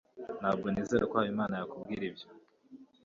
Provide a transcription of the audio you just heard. ntabwo nizera ko habimana yakubwira ibyo